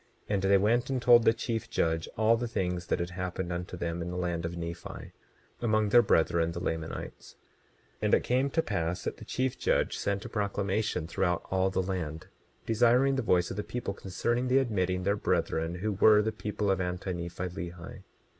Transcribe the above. And they went and told the chief judge all the things that had happened unto them in the land of Nephi, among their brethren, the Lamanites. 27:21 And it came to pass that the chief judge sent a proclamation throughout all the land, desiring the voice of the people concerning the admitting their brethren, who were the people of Anti Nephi Lehi.